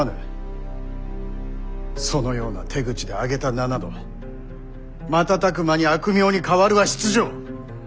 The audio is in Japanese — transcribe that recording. そのような手口で上げた名など瞬く間に悪名に変わるは必定！